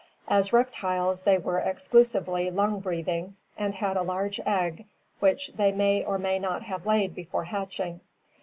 As reptiles they were exclusively lung breathing 502 ORGANIC EVOLUTION and had a large egg which they may or may not have laid before hatching.